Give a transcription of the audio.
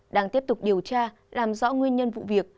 đang tiếp tục điều tra làm rõ nguyên nhân vụ việc